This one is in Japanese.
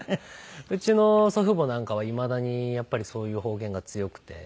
うちの祖父母なんかはいまだにやっぱりそういう方言が強くて。